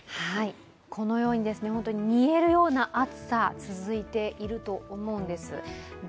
このように本当に煮えるような暑さ、続いていると思うんです。